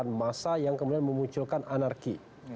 menggerakkan massa yang kemudian memunculkan anarki